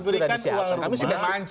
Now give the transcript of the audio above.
diberikan uang rumah